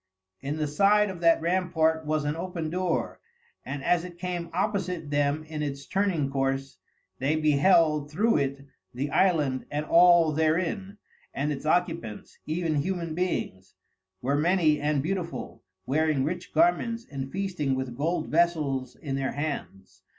In the side of that rampart was an open door, and as it came opposite them in its turning course, they beheld through it the island and all therein; and its occupants, even human beings, were many and beautiful, wearing rich garments, and feasting with gold vessels in their hands.